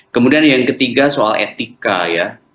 kemudian yang ketiga soal etika ya